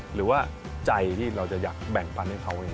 หรือว่าใจที่เราจะอยากแบ่งปันให้เขาเอง